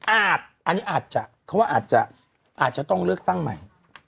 อันนี้อาจจะเขาว่าอาจจะต้องเลือกตั้งใหม่